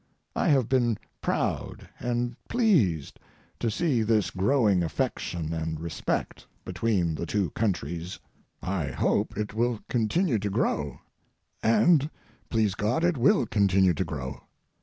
I have been proud and pleased to see this growing affection and respect between the two countries. I hope it will continue to grow, and, please God, it will continue to grow.